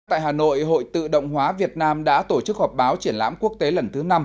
tại hà nội hội tự động hóa việt nam đã tổ chức họp báo triển lãm quốc tế lần thứ năm